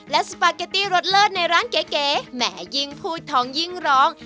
และสปาเกตตี้รสเลิศในร้านเก๋แหมยิ่งพูดท้องยิ่งร้อง